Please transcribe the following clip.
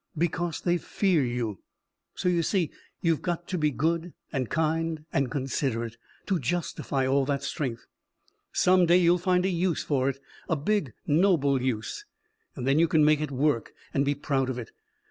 "Because they fear you. So you see, you've got to be good and kind and considerate to justify all that strength. Some day you'll find a use for it a big, noble use and then you can make it work and be proud of it.